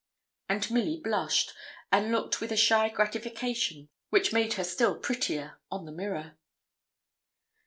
And Milly blushed, and looked with a shy gratification, which made her still prettier, on the mirror.